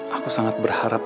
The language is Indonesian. aku sangat berharap